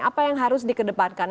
apa yang harus dikedepankan